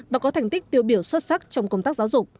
và có thành tích tiêu biểu xuất sắc trong công tác giáo dục